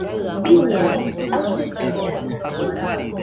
Biñeno aɨfɨ billasa.